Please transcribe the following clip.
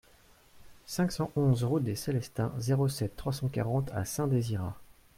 cinq cent onze route des Célestins, zéro sept, trois cent quarante à Saint-Désirat